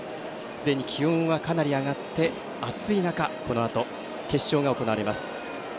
すでに気温はかなり上がって暑い中このあと決勝が行われます。